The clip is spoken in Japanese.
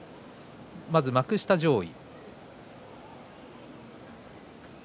まず幕下上位。